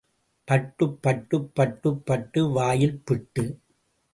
பட்டு, பட்டு, பட்டு பட்டு வாயில் பிட்டு.